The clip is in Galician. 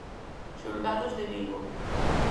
Xulgados de Vigo.